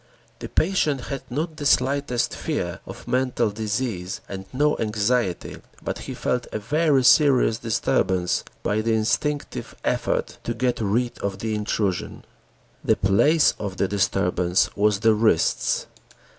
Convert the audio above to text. The patient had not the slightest fear of mental disease and no anxiety, but he felt a very serious disturbance by the instinctive effort to get rid of the intrusion. The place of the disturbance was the wrists.